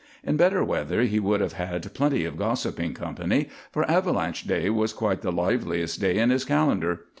In better weather he would have had plenty of gossiping company, for avalanche day was quite the liveliest day in his calendar.